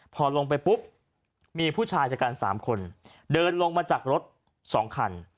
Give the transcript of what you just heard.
พอลงไปปุ๊บมีผู้ชายจากการ๓คนเดินลงมาจากรถ๒คัน